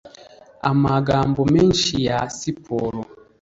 Amagambo menshi ya siporo